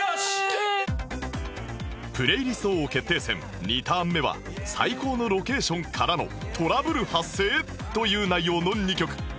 プレイリスト王決定戦２ターン目は「最高のロケーションからのトラブル発生！？」という内容の２曲